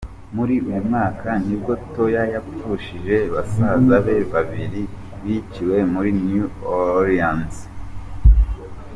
Muri uyu mwaka nibwo Toya yapfushije basaza be babiri biciwe muri New Orleans.